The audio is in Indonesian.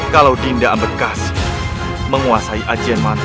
raden raden kamu dihukum mati